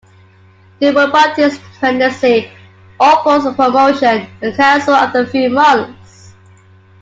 Due to Bunton's pregnancy all forms of promotion were cancelled after a few months.